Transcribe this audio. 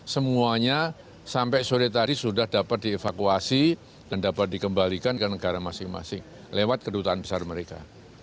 semuanya sampai sore tadi sudah dapat dievakuasi dan dapat dikembalikan ke negara masing masing lewat kedutaan besar mereka